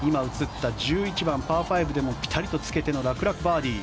１１番、パー５でもピタリとつけての楽々バーディー。